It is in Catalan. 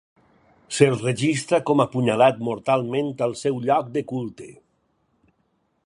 S'el registra com apunyalat mortalment al seu lloc de culte.